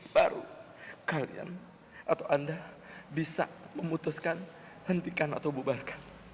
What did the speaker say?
baru kalian atau anda bisa memutuskan hentikan atau bubarkan